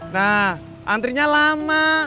nah antrinya lama